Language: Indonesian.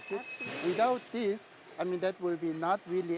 tanpa ini itu tidak akan menjadi produk yang